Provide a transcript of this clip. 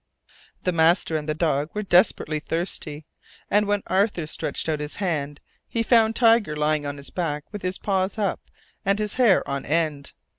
The master and the dog were desperately thirsty, and when Arthur stretched out his hand, he found Tiger lying on his back, with his paws up and his hair on end.